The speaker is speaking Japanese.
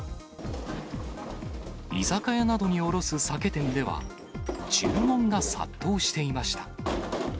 居酒屋などに卸す酒店では、注文が殺到していました。